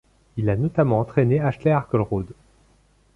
Il a notamment entraîné Ashley Harkleroad.